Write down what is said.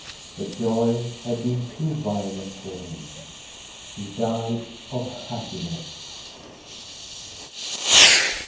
The joy had been too violent for him. He died of happiness.